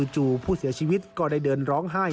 จู่ผู้เสียชีวิตก็ได้เดินร้องไห้